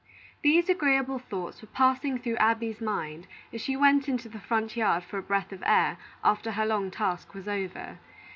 These agreeable thoughts were passing through Abby's mind as she went into the front yard for a breath of air, after her long task was over.